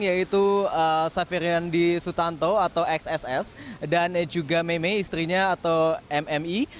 yaitu saferi andi sutanto atau xss dan juga meimei istrinya atau mmi